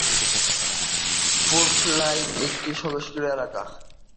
Beltline একটি ক্রান্তিয় এলাকা।